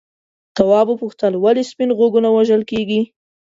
تواب وپوښتل ولې سپین غوږونه وژل کیږي.